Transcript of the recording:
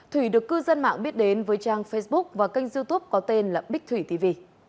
thủy được cư dân mạng biết đến với trang facebook và kênh youtube có tên là bích thủy tv